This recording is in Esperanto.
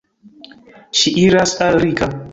Ŝi iras al Rika.